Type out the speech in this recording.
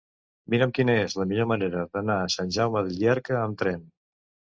Mira'm quina és la millor manera d'anar a Sant Jaume de Llierca amb tren.